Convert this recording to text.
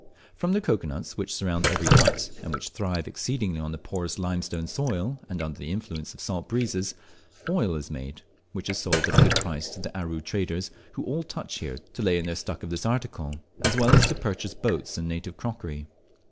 From the cocoa nuts, which surround every hut, and which thrive exceedingly on the porous limestone soil and under the influence of salt breezes, oil is made which is sold at a good price to the Aru traders, who all touch here to lay in their stuck of this article, as well as to purchase boats and native crockery.